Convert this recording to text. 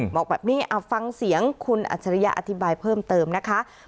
บอกแบบนี้ฟังเสียงคุณอัจฉริยะอธิบายเพิ่มเติมนะคะ